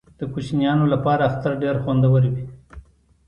د کوچنیانو لپاره اختر ډیر خوندور وي.